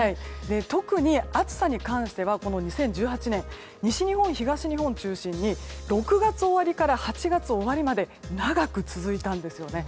特に暑さに関してはこの２０１８年西日本、東日本中心に６月終わりから８月終わりまで長く続いたんですよね。